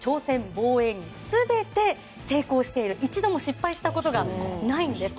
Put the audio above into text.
・防衛に全て、成功している一度も失敗したことがないんです。